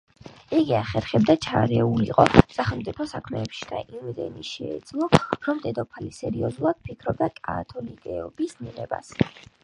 იგი ახერხებდა ჩარეულიყო სახელმწიფო საქმეებში და იმდენი შეძლო, რომ დედოფალი სერიოზულად ფიქრობდა კათოლიკობის მიღებას.